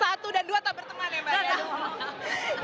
satu dan dua tetap berteman ya mbak